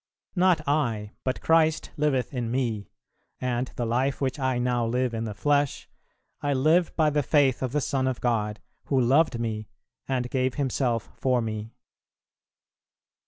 "Not I, but Christ liveth in me, and the life which I now live in the flesh, I live by the faith of the Son of God, who loved me and gave Himself for me."